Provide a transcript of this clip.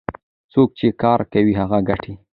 څوک چې کار کوي هغه ګټي.